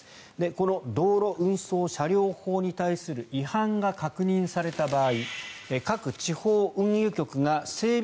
この道路運送車両法に対する違反が確認された場合各地方運輸局が整備